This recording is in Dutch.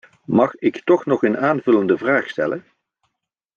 Mag ik toch nog een aanvullende vraag stellen?